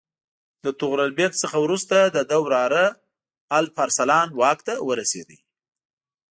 له طغرل بیګ څخه وروسته د ده وراره الپ ارسلان واک ته ورسېد.